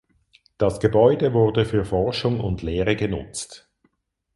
Das Gebäude wurde für Forschung und Lehre genutzt.